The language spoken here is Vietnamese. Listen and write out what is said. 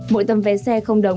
mỗi tầm vé xe không đúng